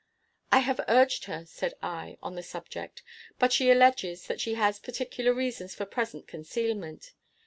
"I have urged her," said I, "on the subject; but she alleges that she has particular reasons for present concealment.